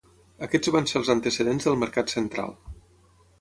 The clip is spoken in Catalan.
Aquests van ser els antecedents del Mercat central.